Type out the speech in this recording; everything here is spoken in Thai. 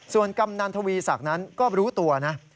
ส่วนกำนันทวีศักดิ์นั้นก็รู้ตัวนะ